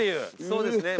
そうですね。